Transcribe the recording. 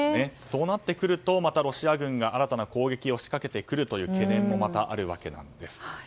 そうなってくるとまたロシア軍が新たな攻撃を仕掛けてくるという懸念もまたあるわけなんです。